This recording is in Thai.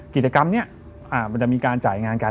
กิจกรรมนี้มันจะมีการจ่ายงานกัน